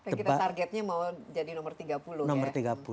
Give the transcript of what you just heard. kan kita targetnya mau jadi nomor tiga puluh ya